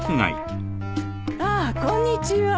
ああこんにちは。